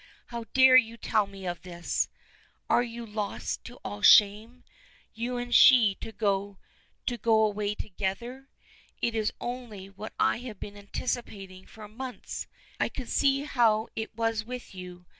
"How dare you tell me of this! Are you lost to all shame? You and she to go to go away together! It is only what I have been anticipating for months. I could see how it was with you.